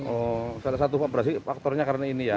oh salah satu fabrasi faktornya karena ini ya